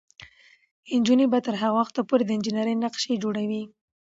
نجونې به تر هغه وخته پورې د انجینرۍ نقشې جوړوي.